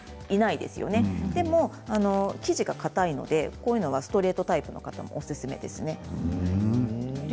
でも、生地がかたいのでこういうのはストレートタイプの方におすすめですね。